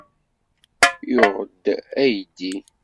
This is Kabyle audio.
Yuɣ-d aydi.